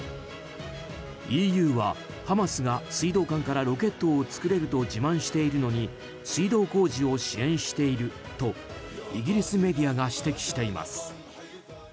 ＥＵは、ハマスが水道管からロケットを作れると自慢しているのに水道工事を支援しているとイギリスメディアが指摘しています。